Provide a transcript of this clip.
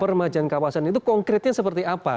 peremajaan kawasan itu konkretnya seperti apa